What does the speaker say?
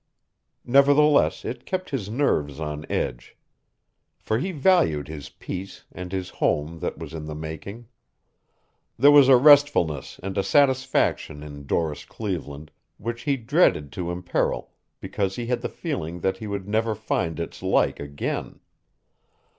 Nevertheless it kept his nerves on edge. For he valued his peace and his home that was in the making. There was a restfulness and a satisfaction in Doris Cleveland which he dreaded to imperil because he had the feeling that he would never find its like again.